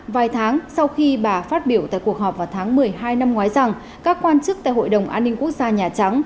vài tháng sau khi bà phát biểu tại cuộc họp vào tháng một mươi hai năm ngoái rằng các quan chức tại hội đồng an ninh quốc gia nhà trắng